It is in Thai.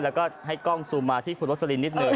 แล้วก็ให้กล้องซูมมาที่คุณโรสลินนิดหนึ่ง